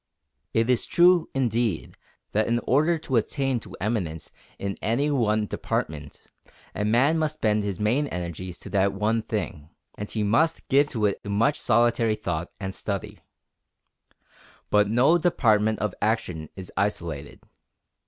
It is true, indeed, that in order to attain to eminence in any one department, a man must bend his main energies to that one thing; and he must give to it much solitary thought and study. But no department of action is isolated.